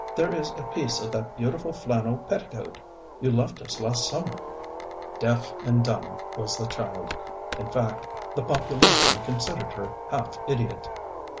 There is a piece of that beautiful flannel petticoat you left us last summer. ŌĆØ ŌĆ£... Deaf and dumb was the child; in fact, the population considered her half idiot....